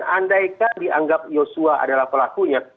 andaikan dianggap yosua adalah pelakunya